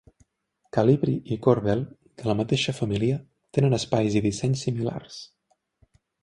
Calibri i Corbel, de la mateixa família, tenen espais i dissenys similars.